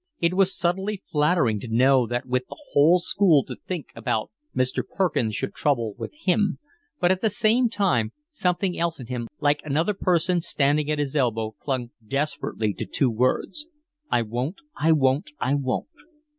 It was subtly flattering to know that with the whole school to think about Mr. Perkins should trouble with him, but at the same time something else in him, like another person standing at his elbow, clung desperately to two words. "I won't. I won't. I won't."